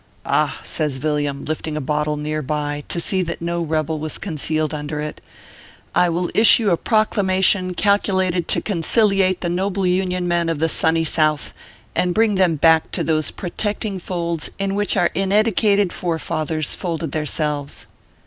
Ah!" says Villiam, lifting a bottle near by to see that no rebel was concealed under it, " I will issue a proclamation calculated to conciliate the noble Union men of the sunny South, and bring them back to those protect ing folds in which, our inedycated forefathers folded their selves."